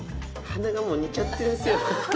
鼻がもう似ちゃってるんですよ。